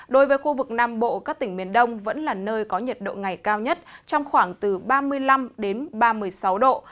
đối với khu vực nam bộ các tỉnh miền đông vẫn là nơi có nhiệt độ ngày cao nhất trong khoảng từ ba mươi năm ba mươi sáu độ